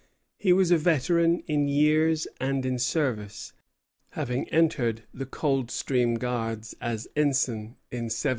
He was a veteran in years and in service, having entered the Coldstream Guards as ensign in 1710.